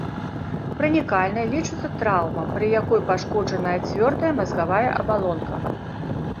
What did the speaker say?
Пранікальнай лічыцца траўма, пры якой пашкоджаная цвёрдая мазгавая абалонка.